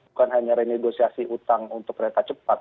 bukan hanya renegosiasi utang untuk kereta cepat